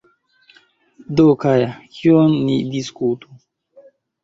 Do Kaja, kion ni diskutu?